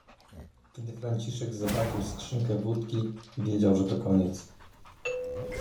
Kiedy Franciszek zobaczył skrzynkę wódki - wiedział, że to koniec.